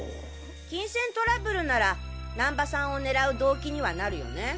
金銭トラブルなら難波さんを狙う動機にはなるよね。